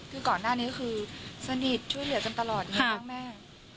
คือก่อนหน้านี้คือสนิทช่วยเหลือกันตลอดอยู่ข้างแม่